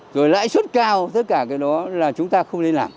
rồi lãi suất cao tất cả cái đó là chúng ta không nên làm